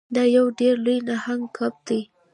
دا یو ډیر لوی نهنګ کب دی.